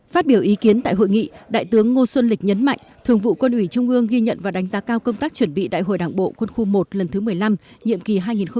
phát biểu ý kiến tại hội nghị đại tướng ngô xuân lịch nhấn mạnh thường vụ quân ủy trung ương ghi nhận và đánh giá cao công tác chuẩn bị đại hội đảng bộ quân khu một lần thứ một mươi năm nhiệm kỳ hai nghìn hai mươi hai nghìn hai mươi năm